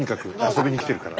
遊びに来てるから。